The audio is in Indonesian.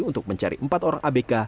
untuk mencari empat orang abk